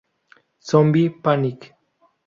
Zombie Panic!